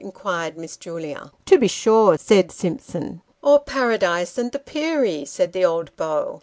" inquired Miss Julia. " To be sure," said Simpson. " Or Paradise and the Peri," said the old beau.